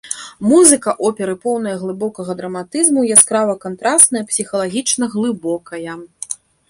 Музыка оперы поўная глыбокага драматызму, яскрава кантрасная, псіхалагічна глыбокая.